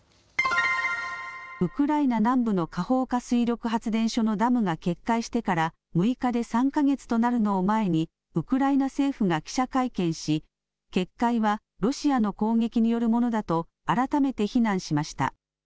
ウクライナ南部のカホウカ水力発電所のダムが決壊してから６日で３か月となるのを前にウクライナ政府が記者会見し決壊はロシアの攻撃によるものだと改めて非難しました。